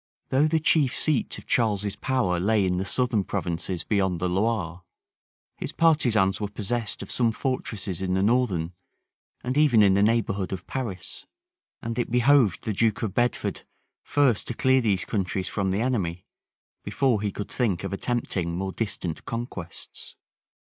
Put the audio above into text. Though the chief seat of Charles's power lay in the southern provinces beyond the Loire, his partisans were possessed of some fortresses in the northern, and even in the neighborhood of Paris; and it behoved the duke of Bedford first to clear these countries from the enemy, before he could think of attempting more distant conquests.